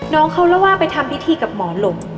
น้องเขาเล่าว่าไปทำพิธีกับหมอหลบ